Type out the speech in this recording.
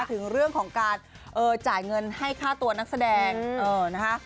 ถึงเรื่องของการจ่ายเงินให้ค่าตัวนักแสดงนะคะ